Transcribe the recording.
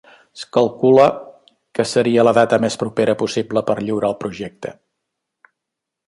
Es calcula que seria la data més propera possible per lliurar el projecte.